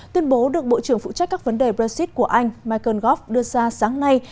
tuyên bố được bộ trưởng phụ trách các vấn đề brexit của anh michael govf đưa ra sáng nay